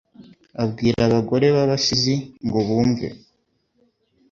Abwira abagore b'abasizi ngo bumve